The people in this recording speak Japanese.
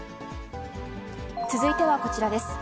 続いてはこちらです。